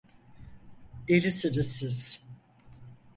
Delisiniz siz.